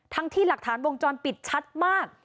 ที่หลักฐานวงจรปิดชัดมาก